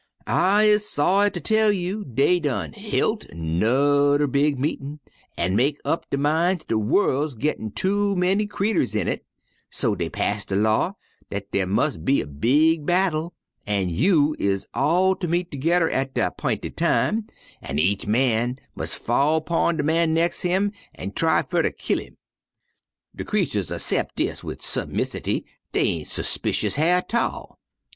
I is saw'y ter tell you dey done hilt nu'rr big meetin' an' mek up der min's de worl' gittin' too many creeturs in hit, so dey pass de law dat dar mus' be a big battle, an' you is all ter meet toge'rr at de 'pinted time, an' each man mus' fall 'pun de man nex' him an' try fer ter kill 'im.' "De creeturs assept dis wid submissity, dey ain' 'spicion Hyar' 't all.